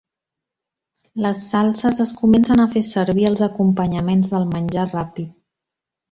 Les salses es comencen a fer servir als acompanyaments del menjar ràpid.